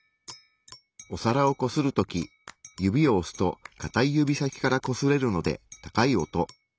お皿をこするとき指を押すとかたい指先からこすれるので高い音。